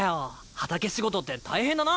畑仕事って大変だな。